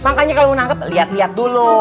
makanya kalau mau nangkep lihat lihat dulu